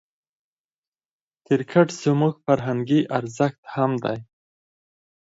کرکټ زموږ فرهنګي ارزښت هم دئ.